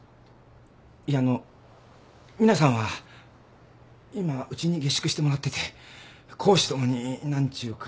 いやあのミナさんは今ウチに下宿してもらってて公私ともになんちゅうか。